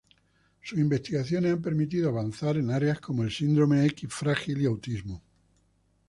Sus investigaciones han permitido avanzar en áreas como el síndrome X frágil y autismo.